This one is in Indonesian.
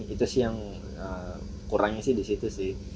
itu sih yang kurangnya di situ